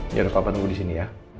biar papa nunggu disini ya